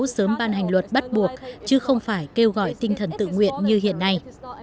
sớm ban hành luật bắt buộc chứ không phải kêu gọi tinh thần tự nguyện như hiện nay